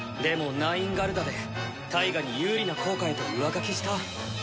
でもナインガルダでタイガに有利な効果へと上書きした。